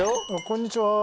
こんにちは。